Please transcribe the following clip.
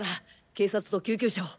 警察と救急車を。